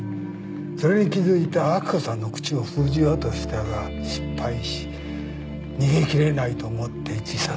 それに気付いた明子さんの口を封じようとしたが失敗し逃げ切れないと思って自殺した。